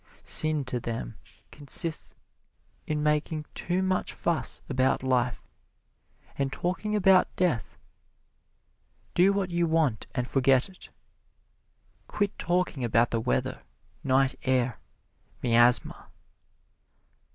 Sin, to them, consists in making too much fuss about life and talking about death. Do what you want and forget it. Quit talking about the weather, night air, miasma.